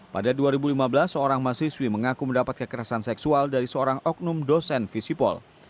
pada dua ribu lima belas seorang mahasiswi mengaku mendapat kekerasan seksual dari seorang oknum dosen visipol